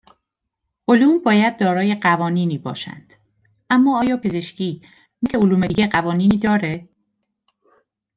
علوم باید دارای قوانینی باشند. اما آیا پزشکی مثل علوم دیگه قوانینی داره؟